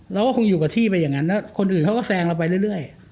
เราก็คงอยู่กับที่ไปอย่างนั้นแล้วคนอื่นเขาก็แซงเราไปเรื่อย